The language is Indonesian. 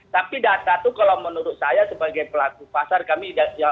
tapi data itu kalau menurut saya sebagai pelaku pasar kami